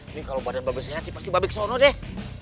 ini kalau badan mbak be sehat sih pasti mbak be kesana deh